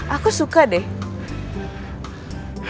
aku suka deh